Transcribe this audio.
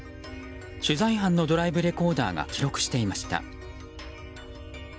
取材班のドライブレコーダーが記録していました。